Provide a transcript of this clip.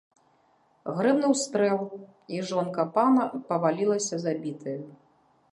Грымнуў стрэл, і жонка пана павалілася забітаю.